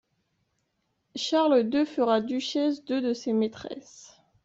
Charles deux fera duchesses deux de ses maîtresses.